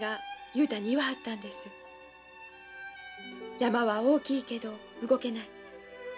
山は大きいけど動けない。